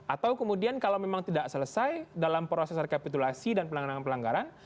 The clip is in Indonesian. atau kemudian kalau memang tidak selesai dalam proses rekapitulasi dan pelanggaran pelanggaran